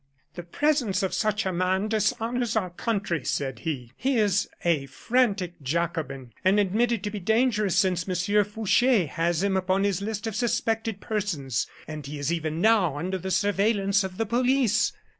"The presence of such a man dishonors our country," said he, "he is a frantic Jacobin, and admitted to be dangerous, since Monsieur Fouche has him upon his list of suspected persons; and he is even now under the surveillance of the police."